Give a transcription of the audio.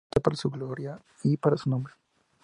Pero esto no importa para su gloria y para su nombre.